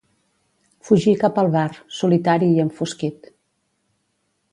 Fugí cap al bar, solitari i enfosquit.